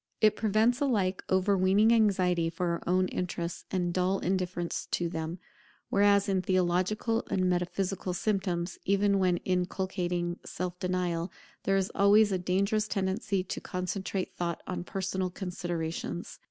It prevents alike overweening anxiety for our own interests and dull indifference to them; whereas, in theological and metaphysical systems, even when inculcating self denial, there is always a dangerous tendency to concentrate thought on personal considerations.